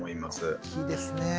大きいですね。